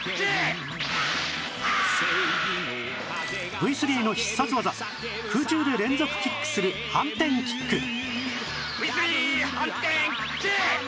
Ｖ３ の必殺技空中で連続キックする反転キックＶ３ 反転キック！